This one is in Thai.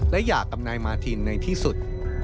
และหย่ากับนายมาธินในที่สุด